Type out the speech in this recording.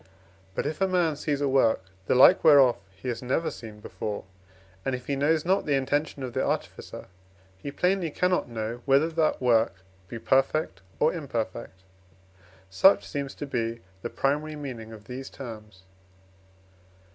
But if a man sees a work, the like whereof he has never seen before, and if he knows not the intention of the artificer, he plainly cannot know, whether that work be perfect or imperfect. Such seems to be the primary meaning of these terms.